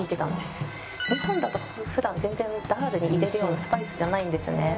日本だと普段全然ダールに入れるようなスパイスじゃないんですね。